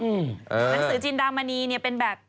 หนังสือจินดามณีเป็นแบบ